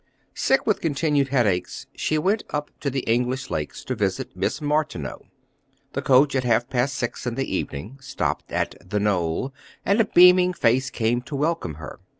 Sick with continued headaches, she went up to the English lakes to visit Miss Martineau. The coach, at half past six in the evening, stopped at "The Knoll," and a beaming face came to welcome her.